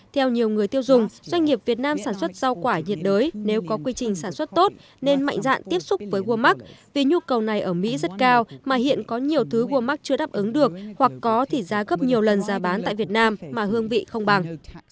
theo nhiều người tiêu dùng doanh nghiệp việt nam sản xuất rau quả nhiệt đới nếu có quy trình sản xuất tốt nên mạnh dạn tiếp xúc với wamac vì nhu cầu này ở mỹ rất cao mà hiện có nhiều thứ walmark chưa đáp ứng được hoặc có thì giá gấp nhiều lần giá bán tại việt nam mà hương vị không bằng